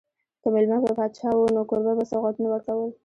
که مېلمه به پاچا و نو کوربه به سوغاتونه ورکول.